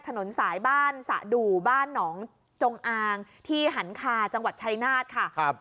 ถนนสายบ้านสะดูบ้านหนองจงอางที่หันคาจังหวัดชายนาฏค่ะครับ